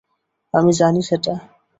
আমি জানি সেটা।